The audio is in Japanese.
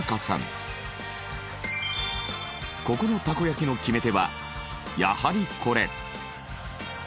ここのたこ焼きの決め手はやはりこれ。